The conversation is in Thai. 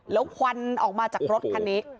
แล้วควันออกมาจากรถคันนี้